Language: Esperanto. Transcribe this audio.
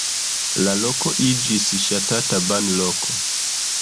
La loko iĝis ŝatata banloko.